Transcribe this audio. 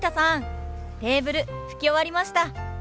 テーブル拭き終わりました。